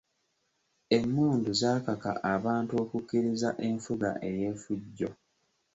Emmundu zaakaka abantu okukkiriza enfuga ey’effujjo.